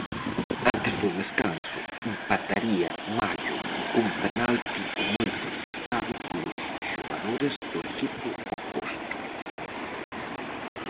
Antes do descanso, empataría mallo cun penalti moi protestado polos xogadores do equipo oposto.